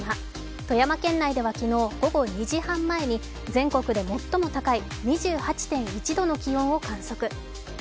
富山県内では昨日午後２時半前に全国で最も高い２８．１度の気温を観測。